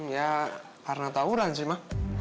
ya karena tawuran sih mah